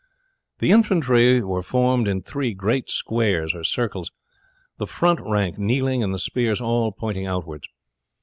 The infantry were formed in three great squares or circles, the front rank kneeling and the spears all pointing outwards.